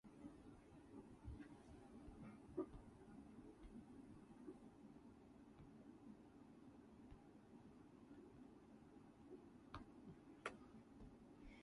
See Prince of Wales for further Earls of Chester.